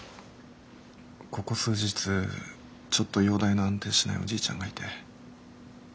ここ数日ちょっと容体の安定しないおじいちゃんがいて。